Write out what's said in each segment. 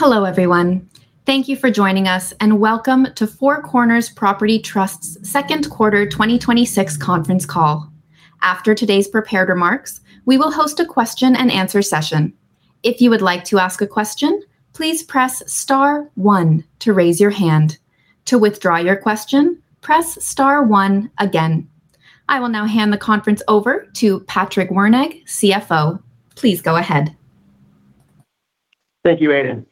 Hello, everyone. Thank you for joining us, and welcome to Four Corners Property Trust's Second Quarter 2026 Conference Call. After today's prepared remarks, we will host a question and answer session. If you would like to ask a question, please press star one to raise your hand. To withdraw your question, press star one again. I will now hand the conference over to Patrick Wernig, CFO. Please go ahead. Thank you, Aidan.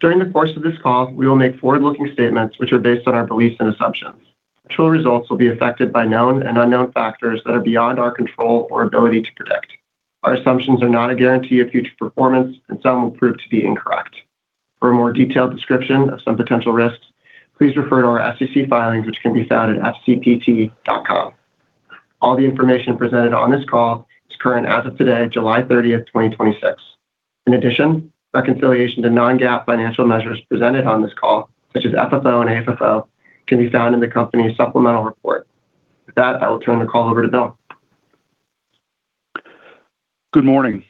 During the course of this call, we will make forward-looking statements which are based on our beliefs and assumptions. Actual results will be affected by known and unknown factors that are beyond our control or ability to predict. Our assumptions are not a guarantee of future performance, and some will prove to be incorrect. For a more detailed description of some potential risks, please refer to our SEC filings, which can be found at fcpt.com. All the information presented on this call is current as of today, July 30, 2026. In addition, reconciliation to non-GAAP financial measures presented on this call, such as FFO and AFFO, can be found in the company's supplemental report. With that, I will turn the call over to Bill. Good morning.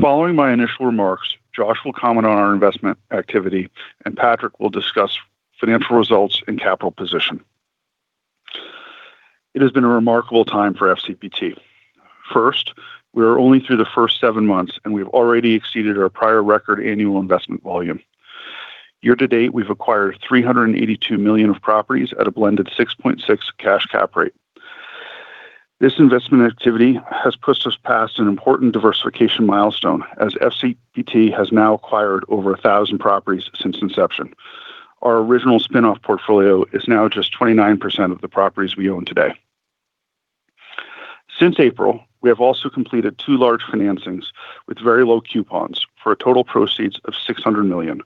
Following my initial remarks, Josh will comment on our investment activity, Patrick will discuss financial results and capital position. It has been a remarkable time for FCPT. First, we are only through the first seven months, and we've already exceeded our prior record annual investment volume. Year to date, we've acquired $382 million of properties at a blended 6.6 cash cap rate. This investment activity has pushed us past an important diversification milestone, as FCPT has now acquired over 1,000 properties since inception. Our original spinoff portfolio is now just 29% of the properties we own today. Since April, we have also completed two large financings with very low coupons for a total proceeds of $600 million.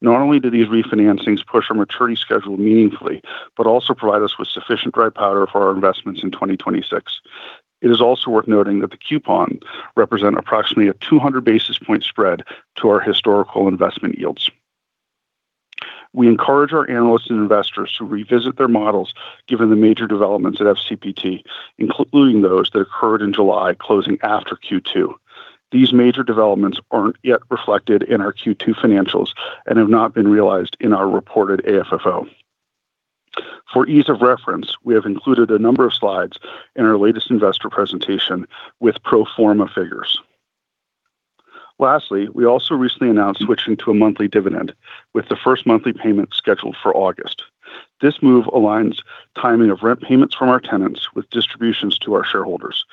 Not only do these refinancings push our maturity schedule meaningfully, but also provide us with sufficient dry powder for our investments in 2026. It is also worth noting that the coupon represent approximately a 200 basis point spread to our historical investment yields. We encourage our analysts and investors to revisit their models given the major developments at FCPT, including those that occurred in July, closing after Q2. These major developments aren't yet reflected in our Q2 financials and have not been realized in our reported AFFO. For ease of reference, we have included a number of slides in our latest investor presentation with pro forma figures. Lastly, we also recently announced switching to a monthly dividend, with the first monthly payment scheduled for August. This move aligns timing of rent payments from our tenants with distributions to our shareholders.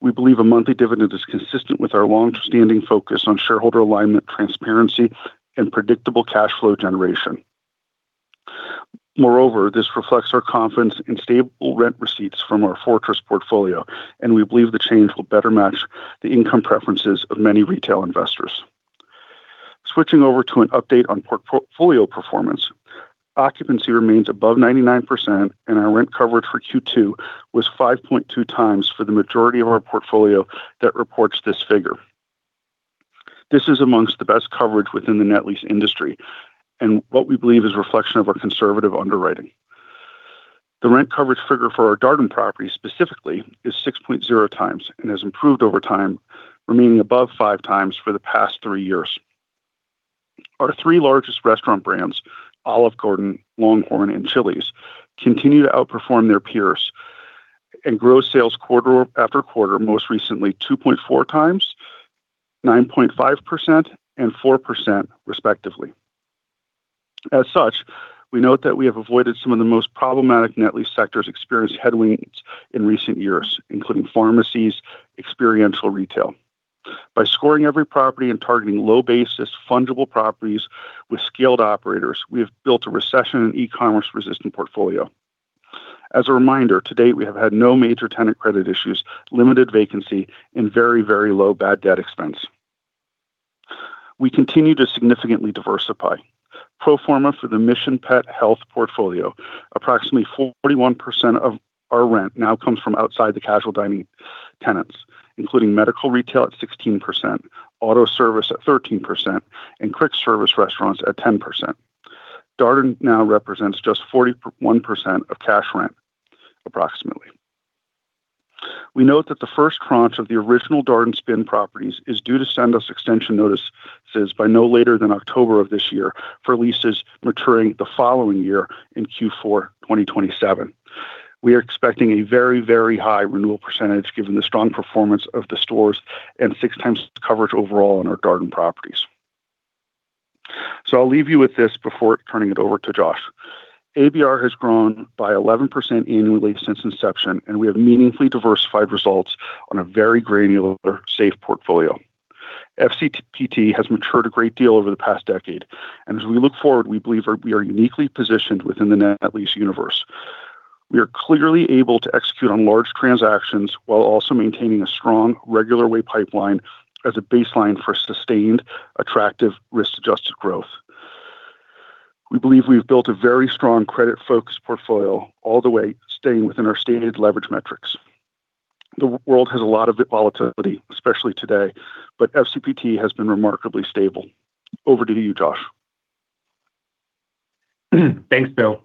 We believe a monthly dividend is consistent with our longstanding focus on shareholder alignment, transparency, and predictable cash flow generation. Moreover, this reflects our confidence in stable rent receipts from our fortress portfolio, and we believe the change will better match the income preferences of many retail investors. Switching over to an update on portfolio performance. Occupancy remains above 99%, and our rent coverage for Q2 was 5.2x for the majority of our portfolio that reports this figure. This is amongst the best coverage within the net lease industry and what we believe is a reflection of our conservative underwriting. The rent coverage figure for our Darden property specifically is 6.0x and has improved over time, remaining above 5x for the past three years. Our three largest restaurant brands, Olive Garden, LongHorn, and Chili's, continue to outperform their peers in gross sales quarter after quarter, most recently 2.4x, 9.5%, and 4%, respectively. As such, we note that we have avoided some of the most problematic net lease sectors experienced headwinds in recent years, including pharmacies, experiential retail. By scoring every property and targeting low basis fundable properties with skilled operators, we have built a recession and e-commerce resistant portfolio. As a reminder, to date, we have had no major tenant credit issues, limited vacancy, and very, very low bad debt expense. We continue to significantly diversify. Pro forma for the Mission Pet Health portfolio, approximately 41% of our rent now comes from outside the casual dining tenants, including medical retail at 16%, auto service at 13%, and quick service restaurants at 10%. Darden now represents just 41% of cash rent approximately. We note that the first tranche of the original Darden spin properties is due to send us extension notices by no later than October of this year for leases maturing the following year in Q4 2027. We are expecting a very, very high renewal percentage given the strong performance of the stores and 6x coverage overall on our Darden properties. I'll leave you with this before turning it over to Josh. ABR has grown by 11% annually since inception, and we have meaningfully diversified results on a very granular, safe portfolio. FCPT has matured a great deal over the past decade, and as we look forward, we believe we are uniquely positioned within the net lease universe. We are clearly able to execute on large transactions while also maintaining a strong regular way pipeline as a baseline for sustained, attractive, risk-adjusted growth. We believe we've built a very strong credit-focused portfolio all the way staying within our stated leverage metrics. The world has a lot of volatility, especially today, but FCPT has been remarkably stable. Over to you, Josh. Thanks, Bill.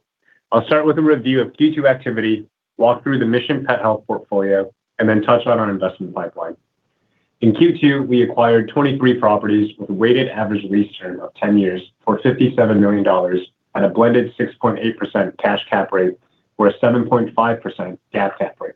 I'll start with a review of Q2 activity, walk through the Mission Pet Health portfolio, and then touch on our investment pipeline. In Q2, we acquired 23 properties with a weighted average lease term of 10 years for $57 million at a blended 6.8% cash cap rate or a 7.5% GAAP cap rate.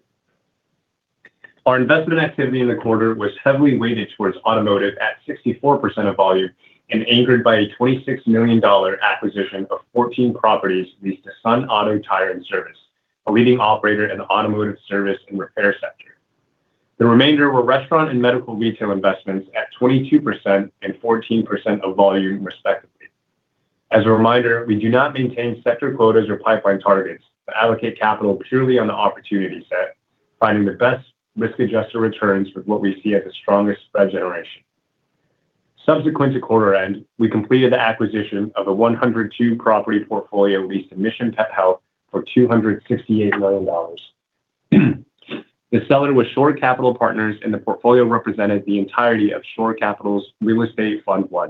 Our investment activity in the quarter was heavily weighted towards automotive at 64% of volume and anchored by a $26 million acquisition of 14 properties leased to Sun Auto Tire & Service, a leading operator in the automotive service and repair sector. The remainder were restaurant and medical retail investments at 22% and 14% of volume respectively. As a reminder, we do not maintain sector quotas or pipeline targets, but allocate capital purely on the opportunity set, finding the best risk-adjusted returns with what we see as the strongest spread generation. Subsequent to quarter end, we completed the acquisition of a 102 property portfolio leased to Mission Pet Health for $268 million. The seller was Shore Capital Partners, and the portfolio represented the entirety of Shore Capital's Real Estate Fund I.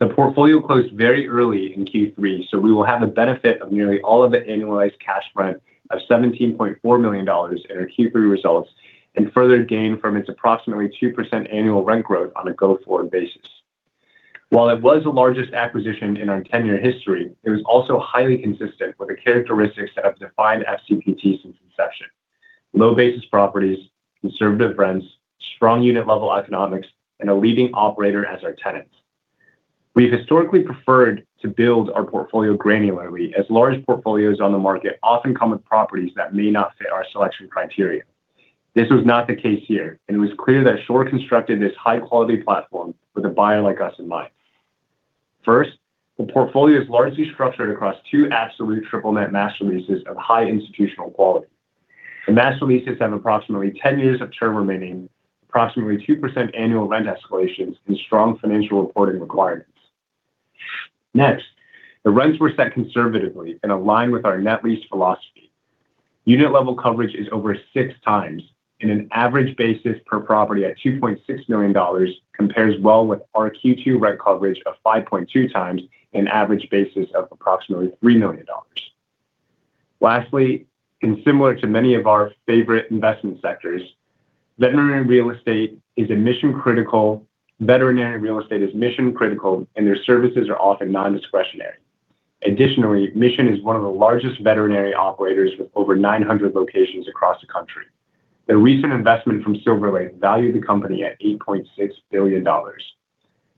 The portfolio closed very early in Q3, so we will have the benefit of nearly all of the annualized cash rent of $17.4 million in our Q3 results and further gain from its approximately 2% annual rent growth on a go-forward basis. While it was the largest acquisition in our 10-year history, it was also highly consistent with the characteristics that have defined FCPT since inception. Low basis properties, conservative rents, strong unit-level economics, and a leading operator as our tenant. We've historically preferred to build our portfolio granularly, as large portfolios on the market often come with properties that may not fit our selection criteria. This was not the case here, and it was clear that Shore constructed this high-quality platform with a buyer like us in mind. First, the portfolio is largely structured across two absolute triple net master leases of high institutional quality. The master leases have approximately 10 years of term remaining, approximately 2% annual rent escalations, and strong financial reporting requirements. Next, the rents were set conservatively and align with our net lease philosophy. Unit-level coverage is over 6x, and an average basis per property at $2.6 million compares well with our Q2 rent coverage of 5.2x an average basis of approximately $3 million. Lastly, and similar to many of our favorite investment sectors, veterinary real estate is mission critical, and their services are often non-discretionary. Additionally, Mission is one of the largest veterinary operators with over 900 locations across the country. Their recent investment from Silver Lake valued the company at $8.6 billion.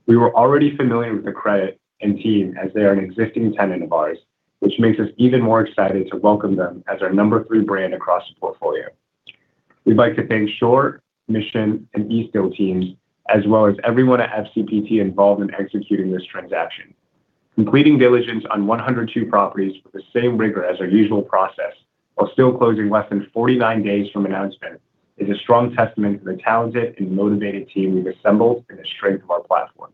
We were already familiar with the credit and team as they are an existing tenant of ours, which makes us even more excited to welcome them as our number three brand across the portfolio. We'd like to thank Shore, Mission, and Eastdil teams, as well as everyone at FCPT involved in executing this transaction. Completing diligence on 102 properties with the same rigor as our usual process while still closing less than 49 days from announcement is a strong testament to the talented and motivated team we've assembled and the strength of our platform.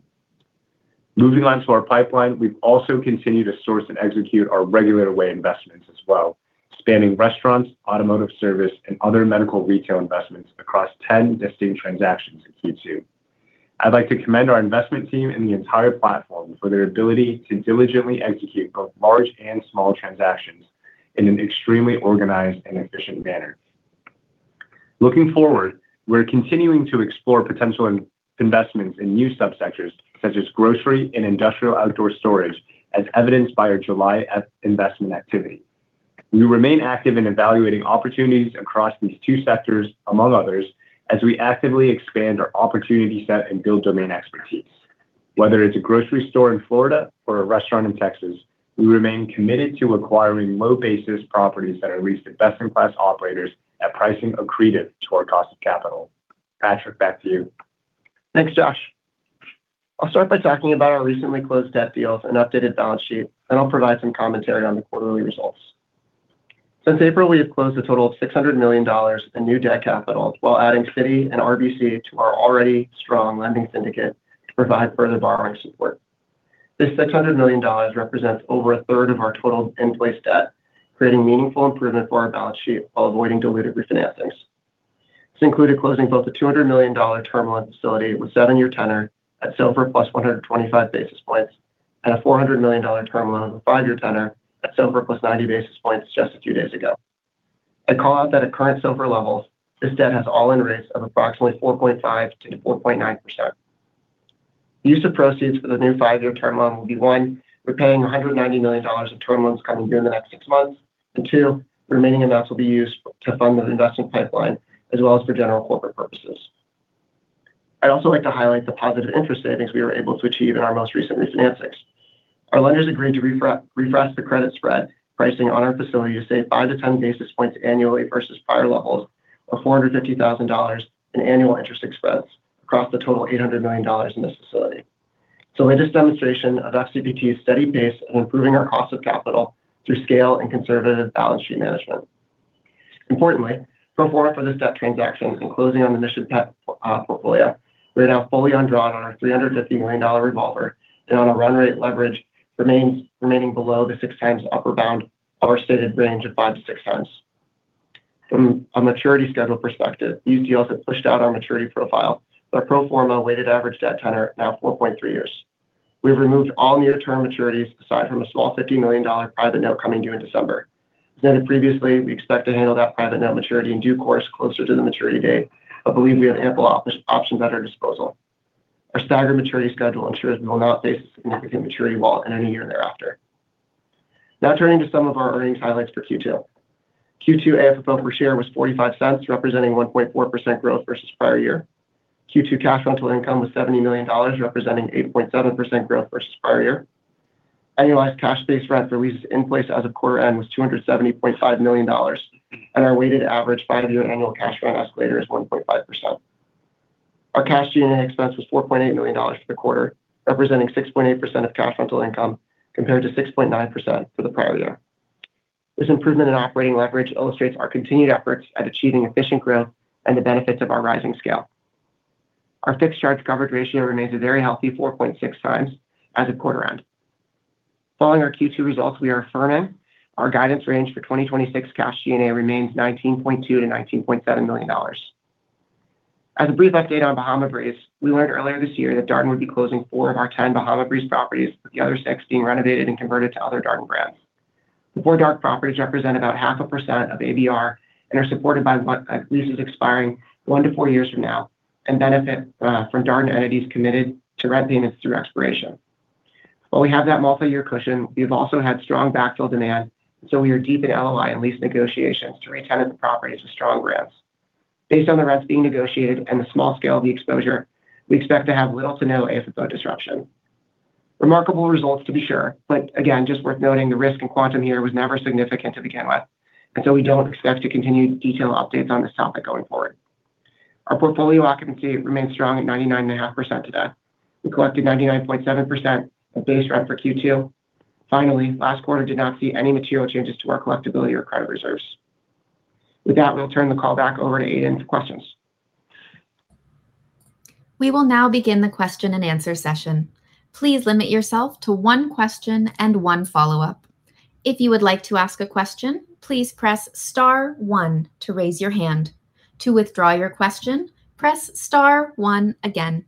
Moving on to our pipeline, we've also continued to source and execute our regular way investments as well, spanning restaurants, automotive service, and other medical retail investments across 10 distinct transactions in Q2. I'd like to commend our investment team and the entire platform for their ability to diligently execute both large and small transactions in an extremely organized and efficient manner. Looking forward, we're continuing to explore potential investments in new subsectors such as grocery and industrial outdoor storage, as evidenced by our July investment activity. We remain active in evaluating opportunities across these two sectors, among others, as we actively expand our opportunity set and build domain expertise. Whether it's a grocery store in Florida or a restaurant in Texas, we remain committed to acquiring low basis properties that are leased to best-in-class operators at pricing accretive to our cost of capital. Patrick, back to you. Thanks, Josh. I'll start by talking about our recently closed debt deals and updated balance sheet. I'll provide some commentary on the quarterly results. Since April, we have closed a total of $600 million in new debt capital while adding Citi and RBC to our already strong lending syndicate to provide further borrowing support. This $600 million represents over a third of our total in-place debt, creating meaningful improvement for our balance sheet while avoiding dilutive refinancings. This included closing both the $200 million term loan facility with seven-year tenor at SOFR plus 125 basis points and a $400 million term loan with a five-year tenor at SOFR plus 90 basis points just a few days ago. I'd call out that at current SOFR levels, this debt has all-in rates of approximately 4.5%-4.9%. Use of proceeds for the new five-year term loan will be, one, repaying $190 million of term loans coming due in the next six months. Two, remaining amounts will be used to fund the investment pipeline as well as for general corporate purposes. I'd also like to highlight the positive interest savings we were able to achieve in our most recent refinancings. Our lenders agreed to refresh the credit spread pricing on our facility to save 5-10 basis points annually versus prior levels of $450,000 in annual interest expense across the total $800 million in this facility. It is demonstration of FCPT's steady pace in improving our cost of capital through scale and conservative balance sheet management. Importantly, before this debt transaction and closing on the Mission Pet portfolio, we are now fully undrawn on our $350 million revolver, on a run rate leverage remaining below the 6x upper bound of our stated range of 5x-6x. From a maturity schedule perspective, these deals have pushed out our maturity profile. Our pro forma weighted average debt tenor now four point three years. We've removed all near-term maturities aside from a small $50 million private note coming due in December. As noted previously, we expect to handle that private note maturity in due course closer to the maturity date, but believe we have ample options at our disposal. Our staggered maturity schedule ensures we will not face a significant maturity wall in any year thereafter. Turning to some of our earnings highlights for Q2. Q2 AFFO per share was $0.45, representing 1.4% growth versus prior year. Q2 cash rental income was $70 million, representing 8.7% growth versus prior year. Annualized cash-based rent for leases in place as of quarter end was $270.5 million. Our weighted average five-year annual cash rent escalator is 1.5%. Our cash G&A expense was $4.8 million for the quarter, representing 6.8% of cash rental income, compared to 6.9% for the prior year. This improvement in operating leverage illustrates our continued efforts at achieving efficient growth and the benefits of our rising scale. Our fixed charge coverage ratio remains a very healthy 4.6x as of quarter end. Following our Q2 results, we are affirming our guidance range for 2026 cash G&A remains $19.2 million-$19.7 million. As a brief update on Bahama Breeze, we learned earlier this year that Darden would be closing four of our 10 Bahama Breeze properties, with the other six being renovated and converted to other Darden brands. The four Darden properties represent about half a percent of ABR and are supported by leases expiring one to four years from now, and benefit from Darden entities committed to rent units through expiration. While we have that multiyear cushion, we've also had strong backfill demand, so we are deep in LOI and lease negotiations to retenant the properties with strong brands. Based on the rents being negotiated and the small scale of the exposure, we expect to have little to no AFFO disruption. Remarkable results to be sure. Again, just worth noting the risk in quantum here was never significant to begin with. We don't expect to continue detailed updates on this topic going forward. Our portfolio occupancy remains strong at 99.5% today. We collected 99.7% of base rent for Q2. Finally, last quarter did not see any material changes to our collectibility or credit reserves. With that, we'll turn the call back over to Aidan for questions. We will now begin the question and answer session. Please limit yourself to one question and one follow-up. If you would like to ask a question, please press star one to raise your hand. To withdraw your question, press star one again.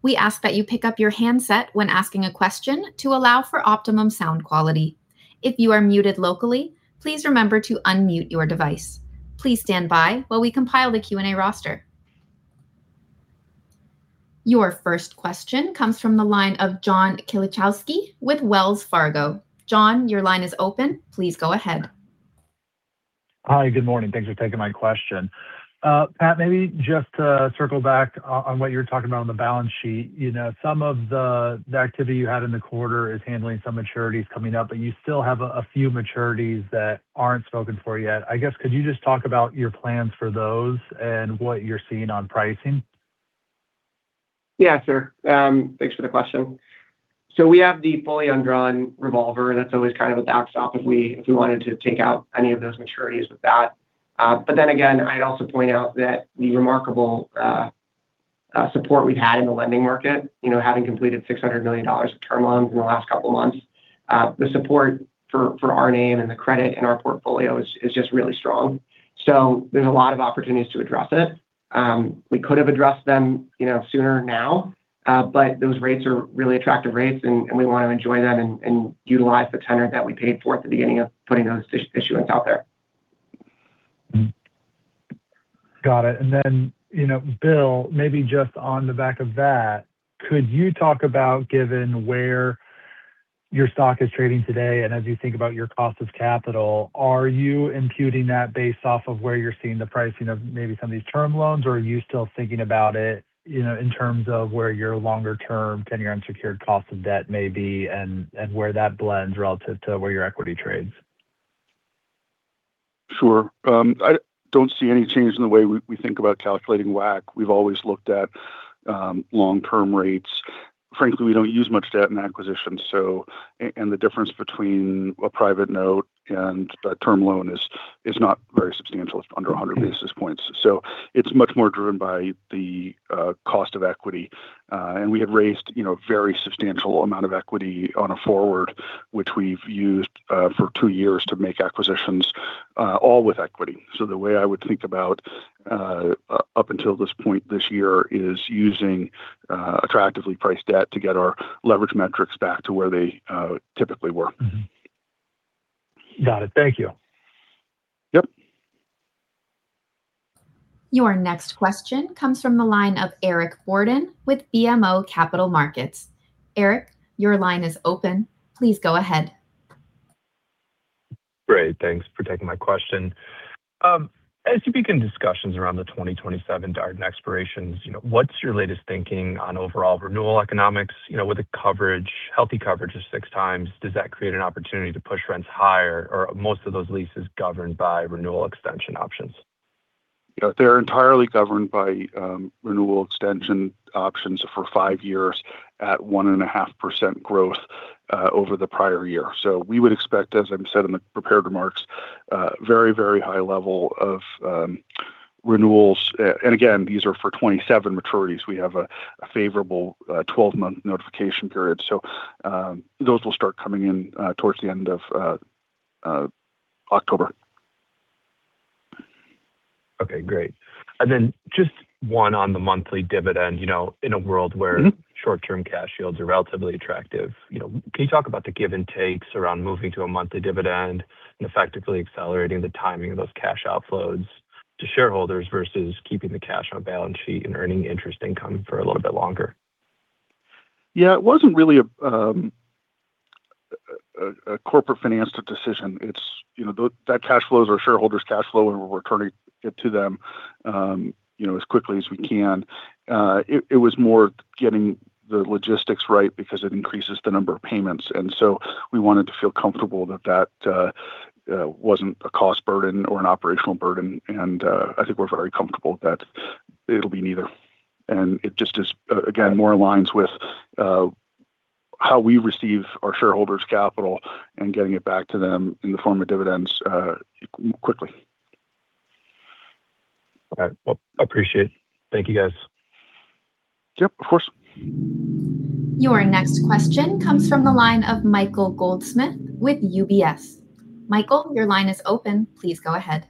We ask that you pick up your handset when asking a question to allow for optimum sound quality. If you are muted locally, please remember to unmute your device. Please stand by while we compile the Q&A roster. Your first question comes from the line of John Kilichowski with Wells Fargo. John, your line is open. Please go ahead. Hi. Good morning. Thanks for taking my question. Pat, maybe just to circle back on what you were talking about on the balance sheet. Some of the activity you had in the quarter is handling some maturities coming up, but you still have a few maturities that aren't spoken for yet. I guess could you just talk about your plans for those and what you're seeing on pricing? Yeah, sure. Thanks for the question. We have the fully undrawn revolver. That's always kind of a backstop if we wanted to take out any of those maturities with that. I'd also point out that the remarkable support we've had in the lending market, having completed $600 million of term loans in the last couple of months. The support for our name and the credit in our portfolio is just really strong. There's a lot of opportunities to address it. We could have addressed them sooner now, but those rates are really attractive rates, and we want to enjoy them and utilize the tenor that we paid for at the beginning of putting those issuance out there. Got it. Bill, maybe just on the back of that, could you talk about given where your stock is trading today and as you think about your cost of capital, are you imputing that based off of where you're seeing the pricing of maybe some of these term loans? Or are you still thinking about it in terms of where your longer-term tenor unsecured cost of debt may be and where that blends relative to where your equity trades? Sure. I don't see any change in the way we think about calculating WACC. We've always looked at long-term rates. Frankly, we don't use much debt in acquisitions. The difference between a private note and a term loan is not very substantial. It's under 100 basis points. It's much more driven by the cost of equity. We have raised very substantial amount of equity on a forward, which we've used for two years to make acquisitions all with equity. The way I would think about up until this point this year is using attractively priced debt to get our leverage metrics back to where they typically were. Got it. Thank you. Yep. Your next question comes from the line of Eric Borden with BMO Capital Markets. Eric, your line is open. Please go ahead. Great. Thanks for taking my question. As you begin discussions around the 2027 Darden expirations, what's your latest thinking on overall renewal economics? With a healthy coverage of 6x, does that create an opportunity to push rents higher? Are most of those leases governed by renewal extension options? They're entirely governed by renewal extension options for five years at 1.5% growth over the prior year. We would expect, as I said in the prepared remarks, a very high level of renewals. Again, these are for 2027 maturities. We have a favorable 12-month notification period. Those will start coming in towards the end of October. Okay, great. Just one on the monthly dividend. In a world where short-term cash yields are relatively attractive, can you talk about the give and takes around moving to a monthly dividend and effectively accelerating the timing of those cash outflows to shareholders versus keeping the cash on a balance sheet and earning interest income for a little bit longer? Yeah. It wasn't really a corporate finance decision. That cash flow is our shareholder's cash flow, and we're returning it to them as quickly as we can. It was more getting the logistics right because it increases the number of payments. We wanted to feel comfortable that wasn't a cost burden or an operational burden. I think we're very comfortable that it'll be neither. It just is, again, more aligns with how we receive our shareholders' capital and getting it back to them in the form of dividends quickly. All right. Well, appreciate it. Thank you, guys. Yep, of course. Your next question comes from the line of Michael Goldsmith with UBS. Michael, your line is open. Please go ahead.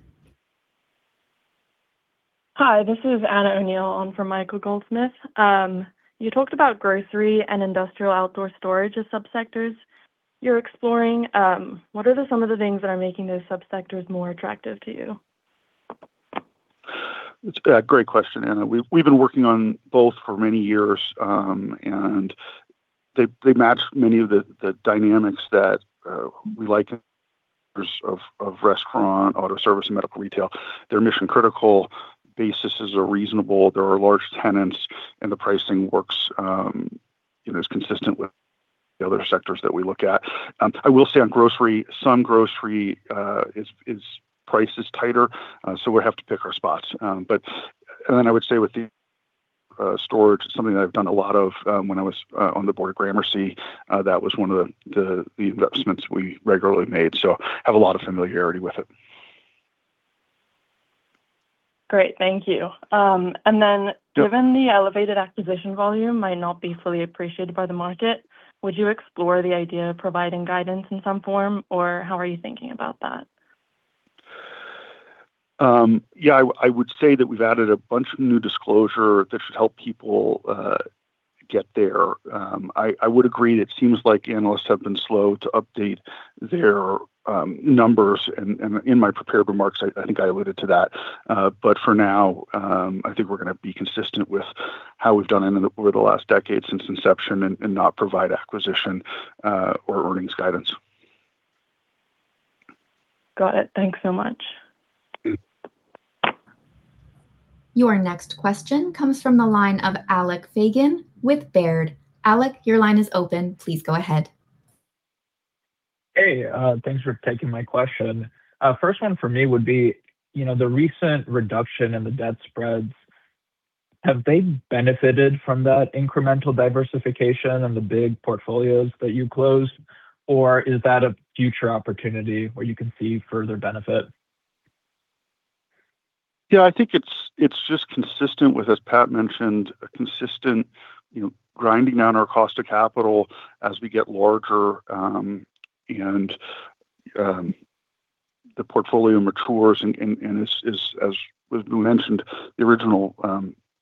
Hi, this is Anna O'Neill on for Michael Goldsmith. You talked about grocery and industrial outdoor storage as sub-sectors you're exploring. What are some of the things that are making those sub-sectors more attractive to you? It's a great question, Anna. We've been working on both for many years. They match many of the dynamics that we like of restaurant, auto service, and medical retail. Their mission-critical basis is reasonable. There are large tenants, and the pricing is consistent with the other sectors that we look at. I will say on grocery, some grocery price is tighter, so we'll have to pick our spots. I would say with the storage, it's something that I've done a lot of when I was on the board of Gramercy. That was one of the investments we regularly made, so I have a lot of familiarity with it. Great. Thank you. Sure Given the elevated acquisition volume might not be fully appreciated by the market, would you explore the idea of providing guidance in some form, or how are you thinking about that? Yeah. I would say that we've added a bunch of new disclosure that should help people get there. I would agree that it seems like analysts have been slow to update their numbers, and in my prepared remarks, I think I alluded to that. For now, I think we're going to be consistent with how we've done over the last decade since inception and not provide acquisition or earnings guidance. Got it. Thanks so much. Your next question comes from the line of Alec Feygin with Baird. Alec, your line is open. Please go ahead. Hey, thanks for taking my question. First one for me would be, the recent reduction in the debt spreads, have they benefited from that incremental diversification and the big portfolios that you closed, or is that a future opportunity where you can see further benefit? Yeah, I think it's just consistent with, as Pat mentioned, a consistent grinding down our cost of capital as we get larger, and the portfolio matures and as we mentioned, the original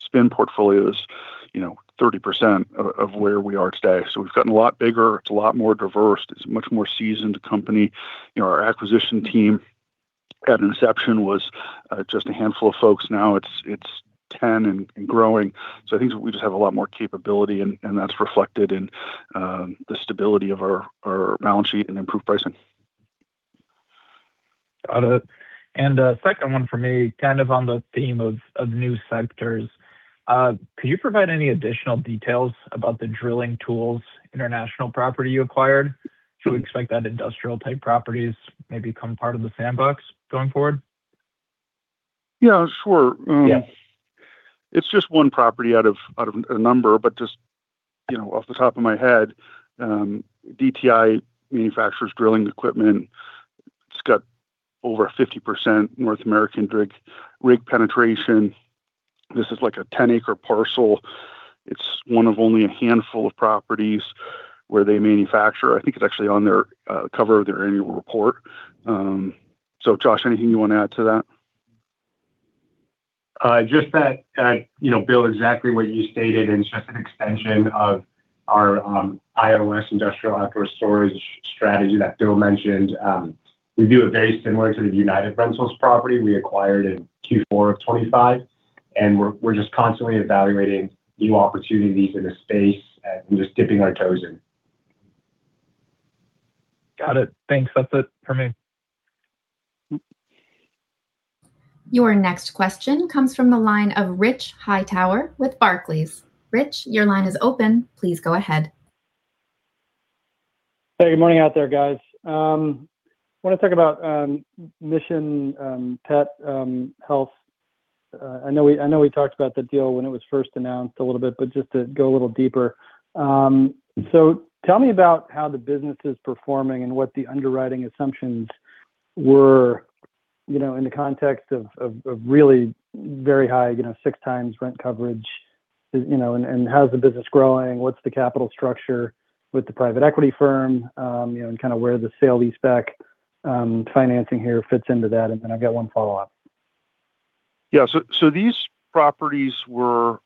spin portfolio is 30% of where we are today. We've gotten a lot bigger. It's a lot more diverse. It's a much more seasoned company. Our acquisition team at inception was just a handful of folks. Now it's 10 and growing. I think we just have a lot more capability, and that's reflected in the stability of our balance sheet and improved pricing. Got it. Second one for me, kind of on the theme of new sectors. Could you provide any additional details about the Drilling Tools International property you acquired? Sure. Should we expect that industrial type properties maybe become part of the sandbox going forward? Yeah, sure. Yeah. It's just one property out of a number, but just off the top of my head, DTI manufactures drilling equipment. It's got over a 50% North American rig penetration. This is like a 10-acre parcel. It's one of only a handful of properties where they manufacture. I think it's actually on their cover of their annual report. Josh, anything you want to add to that? Just that, Bill, exactly what you stated, it's just an extension of our IOS, industrial outdoor storage, strategy that Bill mentioned. We view it very similar to the United Rentals property we acquired in Q4 of 2025, we're just constantly evaluating new opportunities in the space, we're just dipping our toes in. Got it. Thanks. That's it for me. Your next question comes from the line of Rich Hightower with Barclays. Rich, your line is open. Please go ahead. Hey, good morning out there, guys. I want to talk about Mission Pet Health. I know we talked about the deal when it was first announced a little bit, just to go a little deeper. Tell me about how the business is performing and what the underwriting assumptions were in the context of really very high, 6x rent coverage, and how's the business growing? What's the capital structure with the private equity firm? Where the sale leaseback financing here fits into that. I've got one follow-up. Yeah. These properties were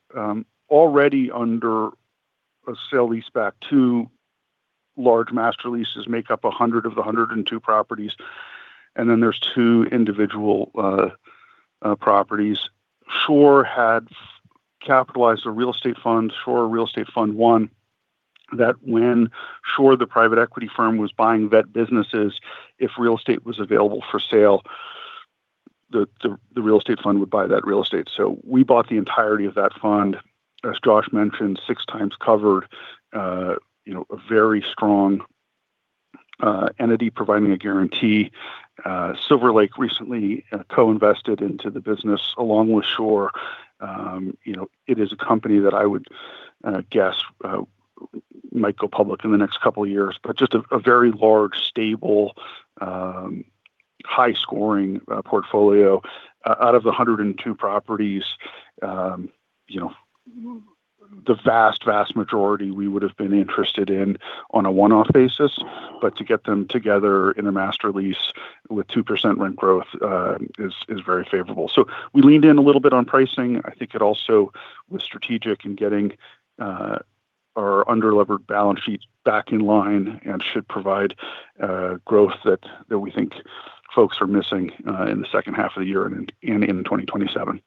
already under a sale leaseback. Two large master leases make up 100 of the 102 properties, and then there's two individual properties. Shore had capitalized a real estate fund, Shore Real Estate Fund I, that when Shore, the private equity firm, was buying vet businesses, if real estate was available for sale, the real estate fund would buy that real estate. We bought the entirety of that fund. As Josh mentioned, 6x covered, a very strong entity providing a guarantee. Silver Lake recently co-invested into the business along with Shore. It is a company that I would guess might go public in the next couple of years. Just a very large, stable, high-scoring portfolio. Out of the 102 properties, the vast majority we would have been interested in on a one-off basis. To get them together in a master lease with 2% rent growth is very favorable. We leaned in a little bit on pricing. I think it also was strategic in getting our under-levered balance sheets back in line and should provide growth that we think folks are missing in the second half of the year and into 2027.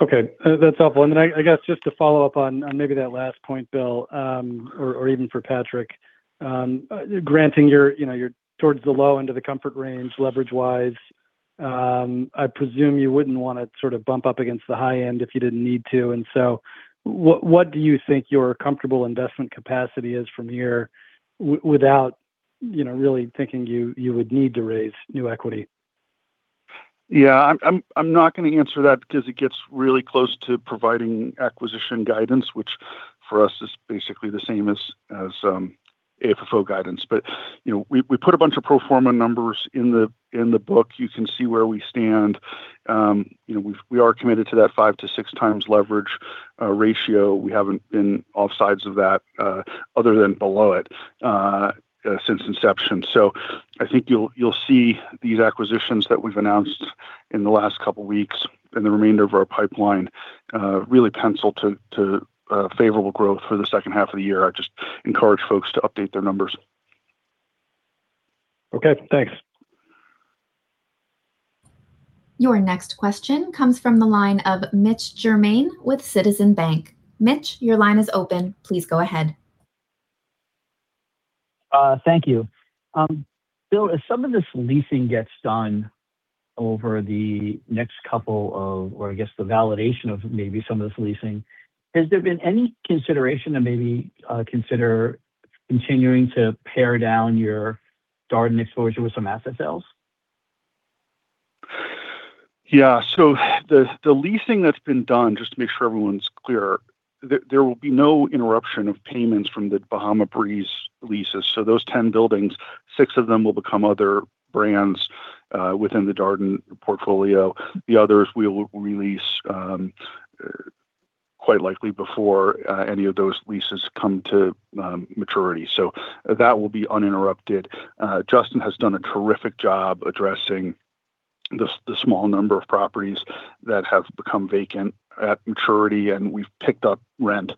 Okay. That's helpful. I guess just to follow up on maybe that last point, Bill, or even for Patrick. Granting you're towards the low end of the comfort range leverage-wise, I presume you wouldn't want to sort of bump up against the high end if you didn't need to. What do you think your comfortable investment capacity is from here without really thinking you would need to raise new equity? Yeah. I'm not going to answer that because it gets really close to providing acquisition guidance, which for us is basically the same as AFFO guidance. We put a bunch of pro forma numbers in the book. You can see where we stand. We are committed to that 5x-6x leverage ratio. We haven't been offsides of that, other than below it, since inception. I think you'll see these acquisitions that we've announced in the last couple of weeks and the remainder of our pipeline really pencil to favorable growth for the second half of the year. I just encourage folks to update their numbers. Okay. Thanks. Your next question comes from the line of Mitch Germain with Citizens Bank. Mitch, your line is open. Please go ahead. Thank you. Bill, as some of this leasing gets done over the next couple of, or I guess the validation of maybe some of this leasing, has there been any consideration to maybe consider continuing to pare down your Darden exposure with some asset sales? Yeah. The leasing that's been done, just to make sure everyone's clear, there will be no interruption of payments from the Bahama Breeze leases. Those 10 buildings, six of them will become other brands within the Darden portfolio. The others we will release, quite likely before any of those leases come to maturity. That will be uninterrupted. Justin has done a terrific job addressing the small number of properties that have become vacant at maturity, and we've picked up rent.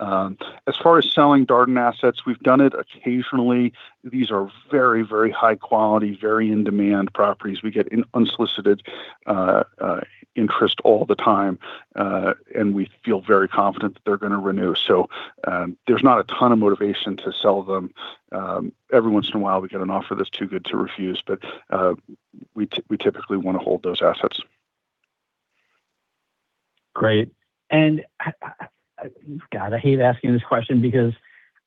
As far as selling Darden assets, we've done it occasionally. These are very high quality, very in-demand properties. We get unsolicited interest all the time. We feel very confident that they're going to renew. There's not a ton of motivation to sell them. Every once in a while, we get an offer that's too good to refuse, but we typically want to hold those assets. Great. God, I hate asking this question because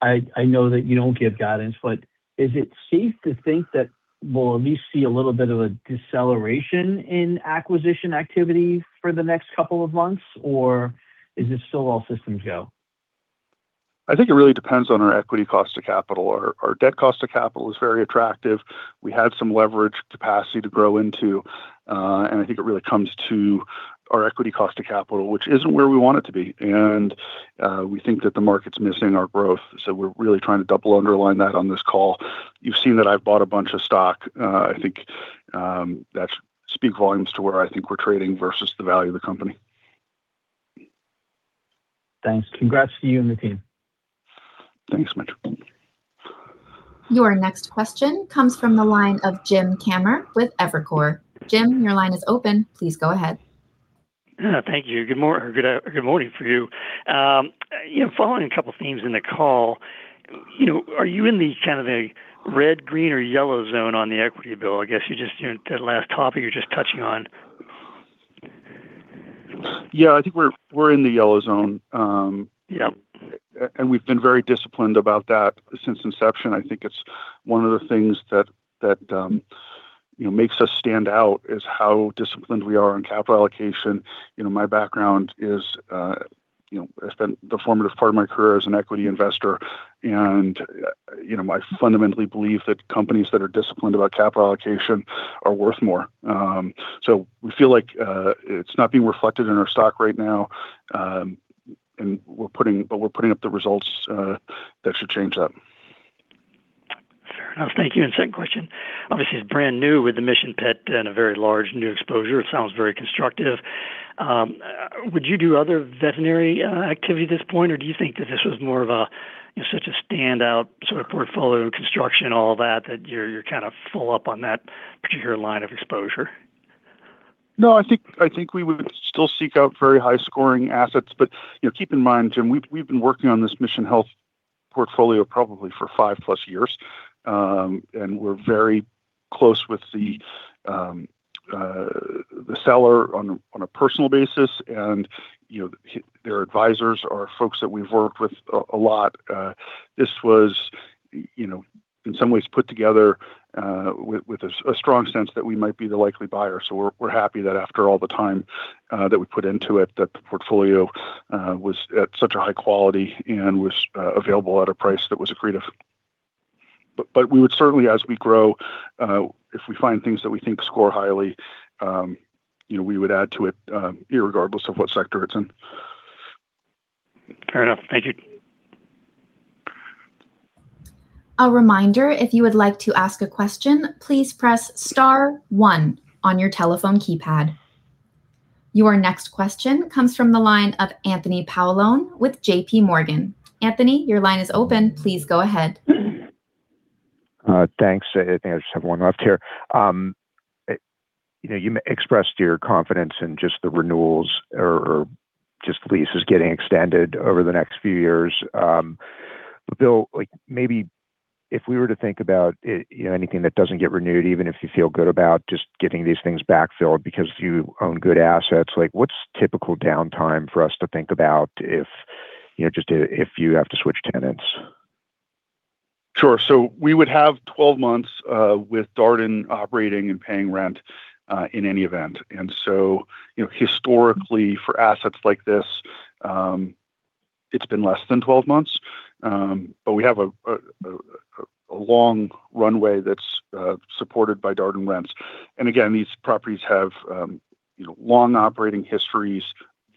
I know that you don't give guidance, but is it safe to think that we'll at least see a little bit of a deceleration in acquisition activity for the next couple of months, or is this still all systems go? I think it really depends on our equity cost of capital. Our debt cost of capital is very attractive. We have some leverage capacity to grow into. I think it really comes to our equity cost of capital, which isn't where we want it to be. We think that the market's missing our growth, so we're really trying to double underline that on this call. You've seen that I've bought a bunch of stock. I think that speaks volumes to where I think we're trading versus the value of the company. Thanks. Congrats to you and the team. Thanks, Mitch. Your next question comes from the line of James Kammert with Evercore. Jim, your line is open. Please go ahead. Thank you. Good morning for you. Following a couple themes in the call, are you in the kind of a red, green, or yellow zone on the equity, Bill? I guess that last topic you were just touching on. Yeah, I think we're in the yellow zone. Yeah. We've been very disciplined about that since inception. I think it's one of the things that makes us stand out is how disciplined we are on capital allocation. My background is I spent the formative part of my career as an equity investor and I fundamentally believe that companies that are disciplined about capital allocation are worth more. We feel like it's not being reflected in our stock right now, but we're putting up the results that should change that. Fair enough. Thank you. Second question, obviously it's brand new with the Mission Pet and a very large new exposure. It sounds very constructive. Would you do other veterinary activity at this point, or do you think that this was more of a, such a standout sort of portfolio construction, all that you're kind of full up on that particular line of exposure? I think we would still seek out very high-scoring assets. Keep in mind Jim, we've been working on this Mission Pet Health portfolio probably for 5+ years. We're very close with the seller on a personal basis and their advisors are folks that we've worked with a lot. This was, in some ways, put together with a strong sense that we might be the likely buyer. We're happy that after all the time that we put into it, that the portfolio was at such a high quality and was available at a price that was accretive. We would certainly, as we grow, if we find things that we think score highly, we would add to it irregardless of what sector it's in. Fair enough. Thank you. A reminder, if you would like to ask a question, please press star one on your telephone keypad. Your next question comes from the line of Anthony Paolone with JPMorgan. Anthony, your line is open. Please go ahead. Thanks. I just have one left here. You expressed your confidence in just the renewals or just leases getting extended over the next few years. Bill, maybe if we were to think about anything that doesn't get renewed, even if you feel good about just getting these things back filled because you own good assets, what's typical downtime for us to think about if you have to switch tenants? Sure. We would have 12 months with Darden operating and paying rent in any event. Historically for assets like this, it's been less than 12 months. We have a long runway that's supported by Darden rents. Again, these properties have long operating histories,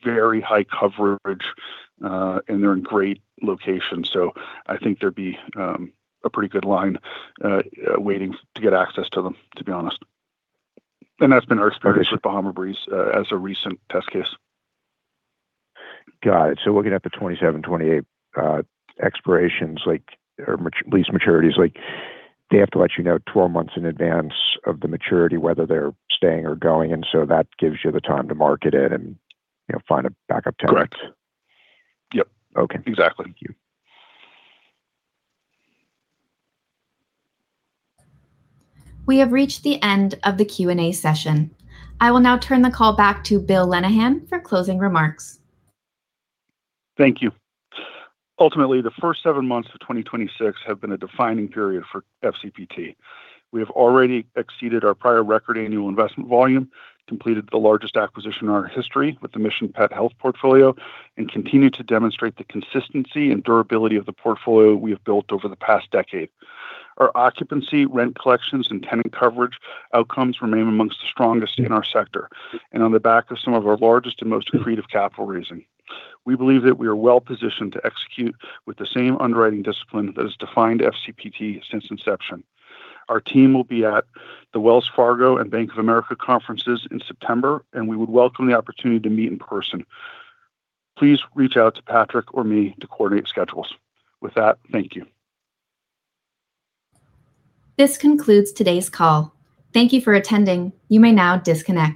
very high coverage, and they're in great locations. I think there'd be a pretty good line waiting to get access to them, to be honest. That's been our experience. Okay With Bahama Breeze as a recent test case. Got it. We're looking at the 2027, 2028 expirations, or lease maturities. They have to let you know 12 months in advance of the maturity whether they're staying or going, that gives you the time to market it and find a backup tenant. Correct. Yep. Okay. Exactly. Thank you. We have reached the end of the Q&A session. I will now turn the call back to Bill Lenehan for closing remarks. Thank you. Ultimately, the first seven months of 2026 have been a defining period for FCPT. We have already exceeded our prior record annual investment volume, completed the largest acquisition in our history with the Mission Pet Health portfolio, and continue to demonstrate the consistency and durability of the portfolio we have built over the past decade. Our occupancy, rent collections, and tenant coverage outcomes remain amongst the strongest in our sector. On the back of some of our largest and most accretive capital raising. We believe that we are well positioned to execute with the same underwriting discipline that has defined FCPT since inception. Our team will be at the Wells Fargo and Bank of America conferences in September, and we would welcome the opportunity to meet in person. Please reach out to Patrick or me to coordinate schedules. With that, thank you. This concludes today's call. Thank you for attending. You may now disconnect.